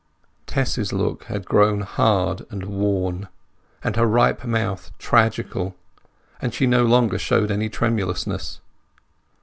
Tess's look had grown hard and worn, and her ripe mouth tragical; but she no longer showed any tremulousness.